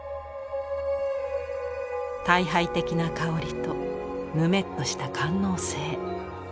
退廃的な香りとぬめっとした官能性。